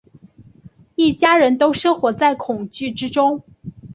一家人都生活在恐惧之中